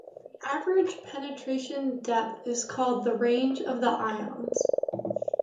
The average penetration depth is called the range of the ions.